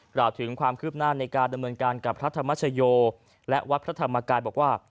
กล่าวถึงความคืบหน้าในการดำเนินการกับพระธรรมชโยและวัดพระธรรมกายบอกว่า